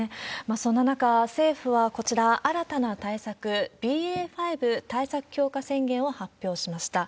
そんな中、政府はこちら、新たな対策、ＢＡ．５対策強化宣言を発表しました。